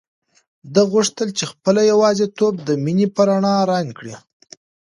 ده غوښتل چې خپله یوازیتوب د مینې په رڼا رنګ کړي.